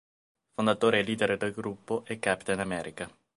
Fondatore e leader del gruppo è Capitan America.